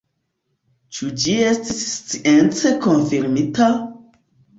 Ĉu ĝi estis science konfirmita?